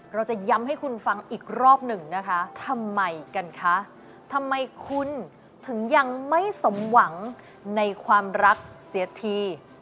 เราจะย้ำให้คุณฟังอีกรอบหนึ่งนะคะทำไมกันคะทำไมคุณถึงยังไม่สมหวังในความรักเสียที